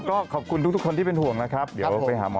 ก็ขอบคุณทุกคนที่เป็นห่วงนะครับเดี๋ยวไปหาหมอ